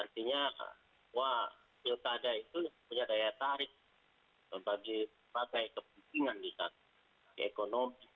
artinya wah pilkada itu punya daya tarik untuk dipakai kepentingan di saat ekonomi